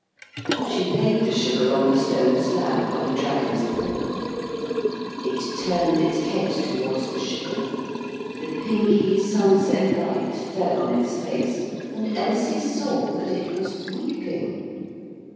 She laid the sugar on the stone slab by the dragon's paw. It turned its head towards the sugar. The pinky sunset light fell on its face, and Elsie saw that it was weeping!